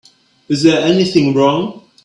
Is there anything wrong?